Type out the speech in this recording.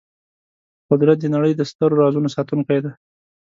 قدرت د نړۍ د سترو رازونو ساتونکی دی.